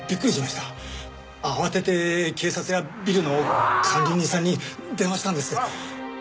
慌てて警察やビルの管理人さんに電話したんです。